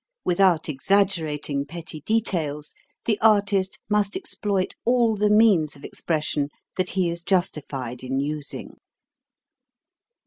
Without exaggerating petty details, the artist must exploit all the means of expression that he is justified in using.